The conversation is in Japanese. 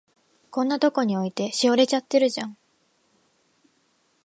こんなとこに置いて、しおれちゃってるじゃん。